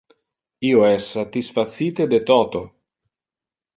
Io es satisfacite de toto.